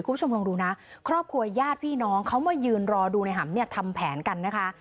คุณผู้ชมลองดูนะครอบครัวญาติพี่น้องเขามายืนรอดูในหำเนี่ยทำแผนกันนะคะ